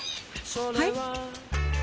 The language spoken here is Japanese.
はい？